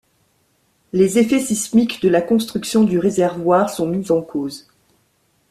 Les effets sismiques de la construction du réservoir sont mis en cause.